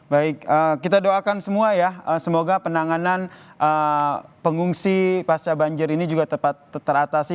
baik kita doakan semua ya semoga penanganan pengungsi pasca banjir ini juga tepat teratasi